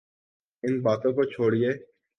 ان باتوں کو چھوڑئیے۔